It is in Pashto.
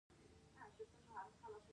او ورڅخه زده کړه وکړي.